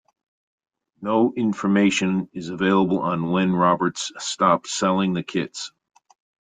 No information is available on when Roberts stopped selling the kits.